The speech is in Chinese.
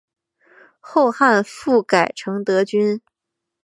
后汉复改成德军。